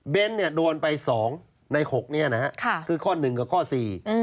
เนี่ยโดนไปสองในหกเนี่ยนะฮะค่ะคือข้อหนึ่งกับข้อสี่